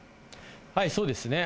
そうですね。